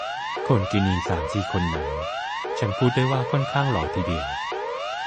คนกินีสามสี่คนนั้น ฉันพูดได้ว่าค่อนข้างหล่อทีเดียว